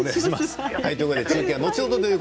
中継は後ほどです。